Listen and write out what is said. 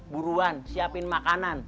buruan siapin makanan